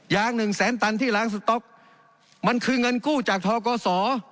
หนึ่งแสนตันที่ล้างสต๊อกมันคือเงินกู้จากทกศ